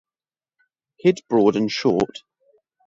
Head broad and short.